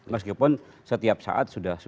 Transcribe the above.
meskipun setiap saat sudah